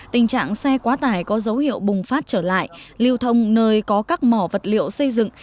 tình trạng xe quá tải có dấu hiệu bùng phát trở lại lưu thông nơi có các mỏ vật liệu xây dựng